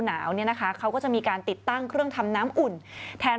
หนาวเนี่ยนะคะเขาก็จะมีการติดตั้งเครื่องทำน้ำอุ่นแทน